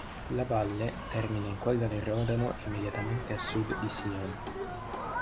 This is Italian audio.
La valle termina in quella del Rodano immediatamente a sud di Sion.